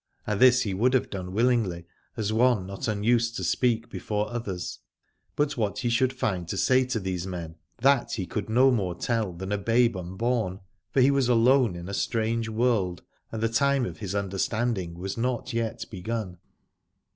And this he would have done willingly, as one not unused to speak before others, but what he should find to say to these men, that he could no more tell than a babe unborn, for he was alone in a strange world, and the time of his understanding was not yet begun.